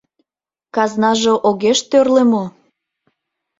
— Казнаже огеш тӧрлӧ мо?